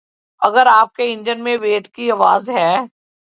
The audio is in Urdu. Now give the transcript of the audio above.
اگر آپ کے انجن میں ویٹ کی آواز ہے